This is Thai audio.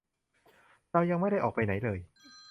เรายังไม่ได้ออกไปไหนเลย